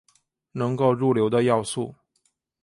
能够入流的要素。